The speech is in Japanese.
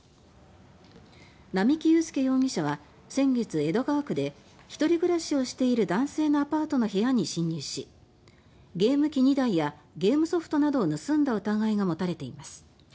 並木裕輔容疑者は先月、江戸川区で１人暮らしをしている男性のアパートの部屋に侵入しゲーム機２台やゲームソフトなどを盗んだ疑いが持たれています。